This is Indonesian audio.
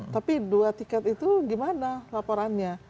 tapi dua tiket itu gimana laporannya